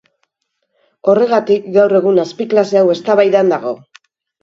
Horregatik, gaur egun azpiklase hau eztabaidan dago.